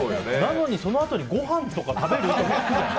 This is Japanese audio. なのに、そのあとにごはんとか食べる？って。